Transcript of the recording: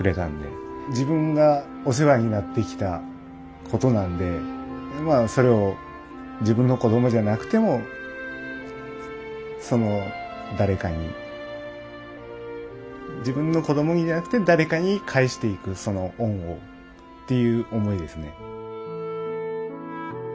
自分がお世話になってきたことなんでそれを自分の子どもじゃなくても誰かに自分の子どもにじゃなくて誰かに返していくその恩をっていう思いですね。